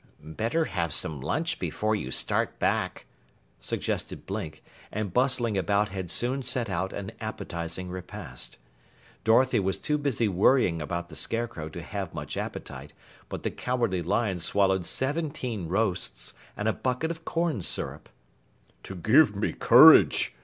"Better have some lunch before you start back," suggested Blink, and bustling about had soon set out an appetizing repast. Dorothy was too busy worrying about the Scarecrow to have much appetite, but the Cowardly Lion swallowed seventeen roasts and a bucket of corn syrup. "To give me courage!"